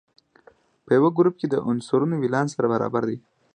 په یوه ګروپ کې د عنصرونو ولانس سره برابر دی.